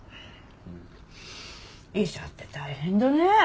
医者って大変だねえ。